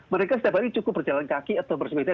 mereka setiap hari cukup berjalan kaki atau bersepeda